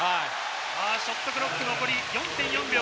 ショットクロック、残り４．４秒。